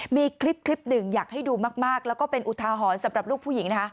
มีคลิปหนึ่งอยากให้ดูมากแล้วก็เป็นอุทาหรณ์สำหรับลูกผู้หญิงนะคะ